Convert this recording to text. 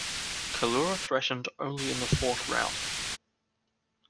Callura threatened only in the fourth round.